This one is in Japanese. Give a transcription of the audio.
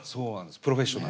「プロフェッショナル」。